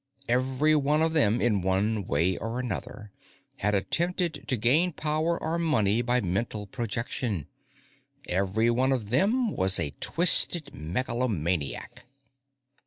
Everyone of them, in one way or another, had attempted to gain power or money by mental projection. Everyone of them was a twisted megalomaniac.